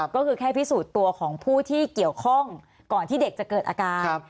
ก็คือแค่พิสูจน์ตัวของผู้ที่เกี่ยวข้องก่อนที่เด็กจะเกิดอาการ